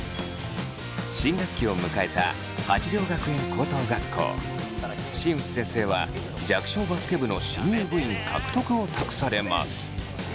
新学期を迎えた新内先生は弱小バスケ部の新入部員獲得を託されます。